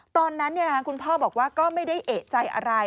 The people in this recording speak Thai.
ตอนนั้นคุณพ่อบอกว่าก็ไม่ได้เอกใจอะไร